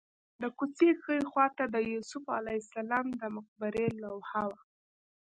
د کوڅې ښي خوا ته د یوسف علیه السلام د مقبرې لوحه وه.